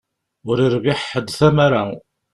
Ur irbiḥ ḥedd tamara.